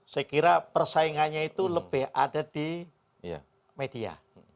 saya kira persaingannya itu lebih ada di media